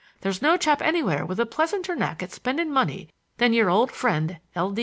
There's no chap anywhere with a pleasanter knack at spending money than your old friend L.